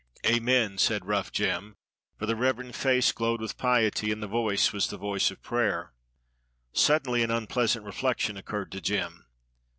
"Amen!" said rough Jem; for the reverend face glowed with piety, and the voice was the voice of prayer. Suddenly an unpleasant reflection occurred to Jem.